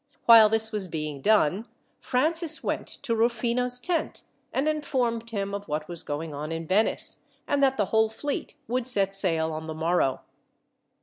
While this was being done, Francis went to Rufino's tent, and informed him of what was going on in Venice, and that the whole fleet would set sail on the morrow.